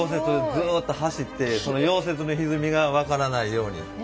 ずっと走ってその溶接のひずみが分からないように。